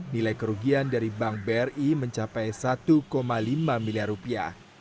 nilai kerugian dari bank bri mencapai satu lima miliar rupiah